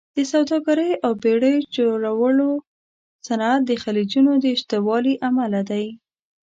د سوداګرۍ او بېړیو جوړولو صنعت د خلیجونو د شتوالي امله دی.